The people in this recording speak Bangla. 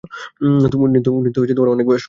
উনি তো অনেক বয়স্ক।